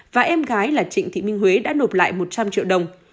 và em gái là trịnh thị minh huế đã nộp lại một trăm linh triệu đồng